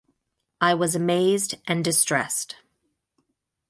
I was amazed and distressed.